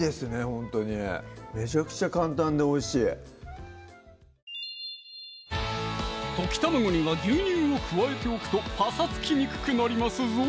ほんとにめちゃくちゃ簡単でおいしい溶き卵には牛乳を加えておくとパサつきにくくなりますぞ！